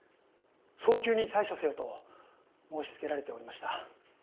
「早急に対処せよ」と申しつけられておりました。